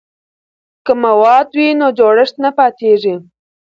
که مواد وي نو جوړښت نه پاتیږي.